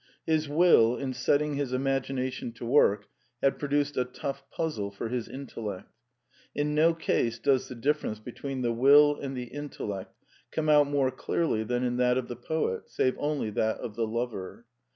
His will, in setting his imagination to work, had produced a tough puzzle for his intellect. In no case does the difference between the will and the intellect come out more clearly than in that of the poet, save only that of the lover.